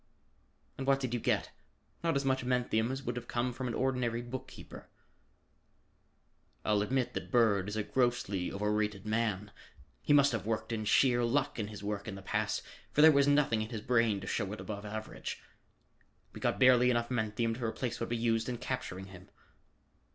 "And what did you get? Not as much menthium as would have come from an ordinary bookkeeper." "I'll admit that Bird is a grossly overrated man. He must have worked in sheer luck in his work in the past, for there was nothing in his brain to show it above average. We got barely enough menthium to replace what we used in capturing him."